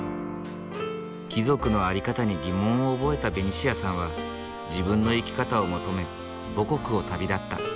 貴族の在り方に疑問を覚えたベニシアさんは自分の生き方を求め母国を旅立った。